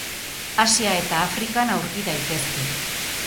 Asia eta Afrikan aurki daitezke.